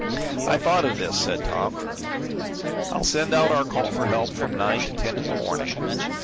"I thought of this," said Tom. "I'll send out our call for help from nine to ten in the morning.